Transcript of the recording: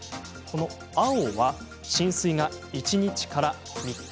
青は、浸水が１日から３日。